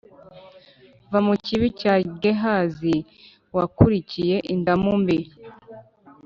Va mu kibi cya Gehazi Wakurikiye indamu mbi!